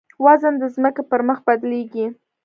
وزن د ځمکې پر مخ بدلېږي.